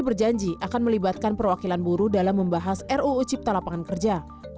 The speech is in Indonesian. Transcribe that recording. berjanji akan melibatkan perwakilan buruh dalam membahas ruu cipta lapangan kerja